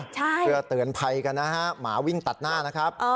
เพื่อเตือนภัยกันนะฮะหมาวิ่งตัดหน้านะครับ